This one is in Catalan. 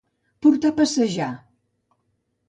Portar a passejar.